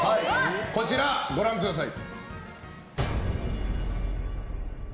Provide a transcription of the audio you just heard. こちらご覧ください。